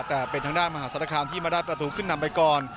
แต่เป็นทางด้านมหาศาลคามที่มาได้ประตูขึ้นนำไปก่อน